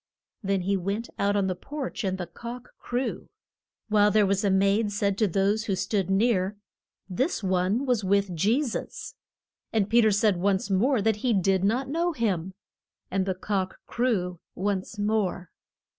Then he went out on the porch and the cock crew. While there a maid said to those who stood near, This one was with Je sus. And Pe ter said once more that he did not know him. And the cock crew once more.